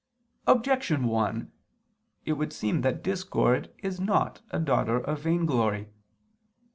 Objection 1: It would seem that discord is not a daughter of vainglory.